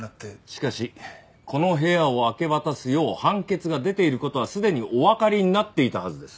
しかしこの部屋を明け渡すよう判決が出ている事はすでにおわかりになっていたはずです。